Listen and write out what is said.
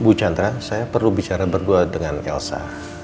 bu chandra saya perlu bicara berdua dengan elsa